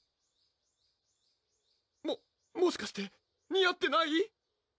ももしかして似合ってない？